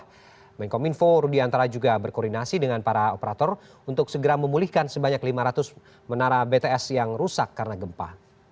menkom info rudiantara juga berkoordinasi dengan para operator untuk segera memulihkan sebanyak lima ratus menara bts yang rusak karena gempa